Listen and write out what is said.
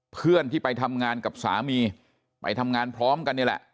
เพื่อนที่ไปทำงานกับสามีไปทำงานพร้อมกันนี่แหละ